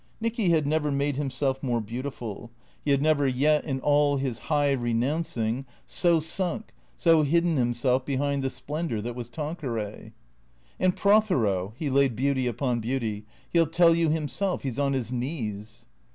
Nicky had never made himself more beautiful ; he had never 359 360 T H E C E E A T 0 E S yet, in all his high renouncing, so sunk, so hidden himself be hind the splendour that was Tanqueray. "And Prothero" (he laid beauty upon beauty), "he'll tell you himself. He 's on his knees."